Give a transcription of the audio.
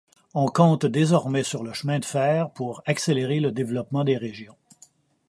On compte désormais sur le chemin de fer pour accélérer le développement des régions.